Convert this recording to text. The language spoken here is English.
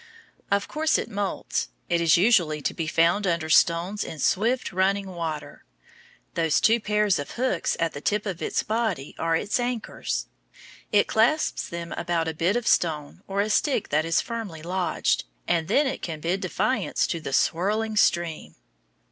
Of course it moults. It is usually to be found under stones in swift, running water. Those two pairs of hooks at the tip of its body are its anchors. It clasps them about a bit of stone or a stick that is firmly lodged, and then it can bid defiance to the swirling stream.